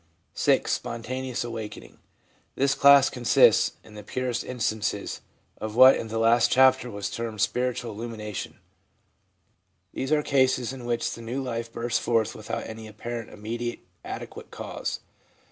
6. Spontaneous awakening. — This class consists, in the purest instances, of what in the last chapter was termed 'spiritual illumination/ These are cases in which the new life bursts forth without any apparent immediate adequate cause.